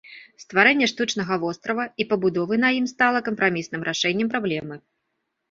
Стварэнне штучнага вострава і пабудовы на ім стала кампрамісным рашэннем праблемы.